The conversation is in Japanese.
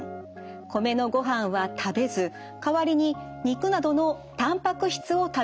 米のごはんは食べず代わりに肉などのたんぱく質を食べるようにしました。